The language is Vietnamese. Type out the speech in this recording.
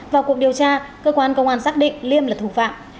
vào cuộc điều tra cơ quan công an xác định liêm là thủ phạm